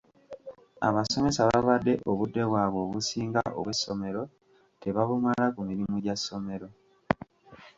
Abasomesa babadde obudde bwabwe obusinga obw’essomero tebabumala ku mirimu gya ssomero.